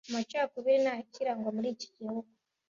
Amacakubiri ntayakirangwa muri iki gihugu